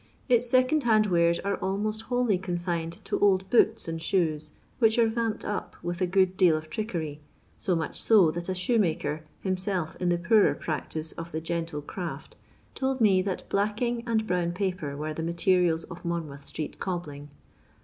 Iti Becond hand wares are almoBt wholly confined to old boots and shoes, which are vamped np with a good deal of trickery ; so much so that a shoemaker, himself in the poorer practice of the '' gentle craft," told me that blacking and brown paper were the materials of Monmoiith street cobbling.